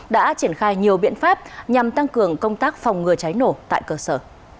đã triển khai nhiều biện pháp nhằm tăng cường công tác phòng ngừa cháy nổ tại cơ sở